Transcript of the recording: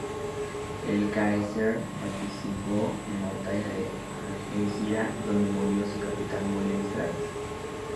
El "Caesar" participó en la batalla de Algeciras donde murió su capitán William Graves.